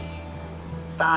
bukan begitu nak sakti